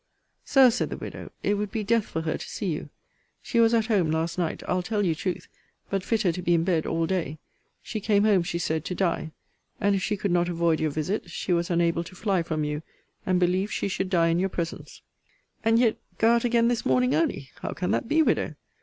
Sir, said the widow, it would be death for her to see you. She was at home last night; I'll tell you truth: but fitter to be in bed all day. She came home, she said, to die; and, if she could not avoid your visit, she was unable to fly from you; and believed she should die in your presence. And yet go out again this morning early? How can that be, widow?